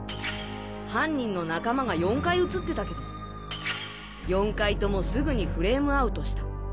犯人の仲間が４回映ってたけど４回ともすぐにフレームアウトした。